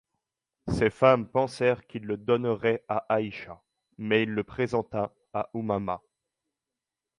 Ses femmes pensèrent qu'il le donnerait à Aïcha, mais il le présenta à Umamah.